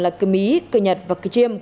là cơ mý cơ nhật và cơ chiêm